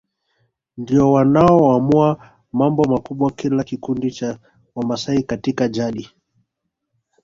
ndio wanaoamua mambo makubwa kila kikundi cha Wamasai Katika jadi